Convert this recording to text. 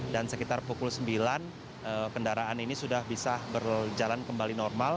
dan sekitar pukul sembilan kendaraan ini sudah bisa berjalan kembali normal